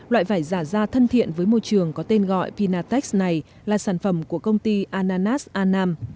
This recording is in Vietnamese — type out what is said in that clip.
loại vải giả da thân thiện với môi trường có tên gọi pinatech này là sản phẩm của công ty annas anam